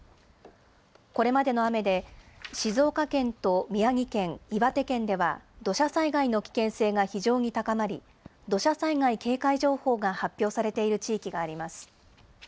これまでの雨で静岡県と宮城県、岩手県では土砂災害の危険性が非常に高まり、土砂災害警戒情報が発表されている地域があります。